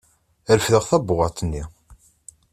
Refdeɣ tabewwaḍt-nni.